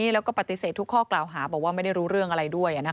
และก็จะรับความจริงของตัวเอง